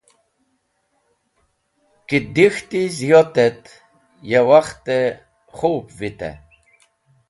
Ki dek̃hti ziyot et ya wakht-e khob vitey.